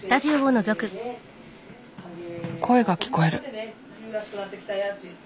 声が聞こえる。